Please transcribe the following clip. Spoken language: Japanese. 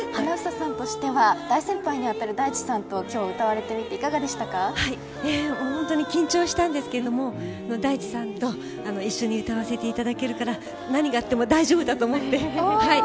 花總さんとしては大先輩にあたる大地さんと歌えて緊張しましたけど、大地さんと一緒に歌わせていただけるから何があっても大丈夫だと思って。